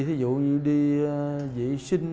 ví dụ như đi vệ sinh